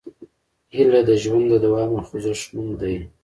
هیله د ژوند د دوام او خوځښت نوم دی.